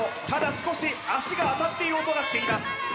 ただ少し足があたっている音がしています